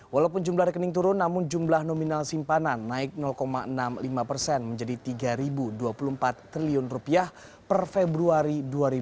walaupun jumlah rekening turun namun jumlah nominal simpanan naik enam puluh lima persen menjadi tiga dua puluh empat triliun per februari dua ribu dua puluh